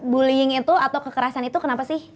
bullying itu atau kekerasan itu kenapa sih